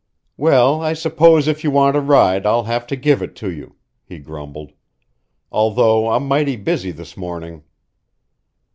"Well, I suppose if you want a ride I'll have to give it to you," he grumbled, "although I'm mighty busy this morning."